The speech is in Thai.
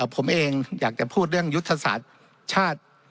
ผมเองอยากจะพูดเรื่องยุทธศาสตร์ชาติ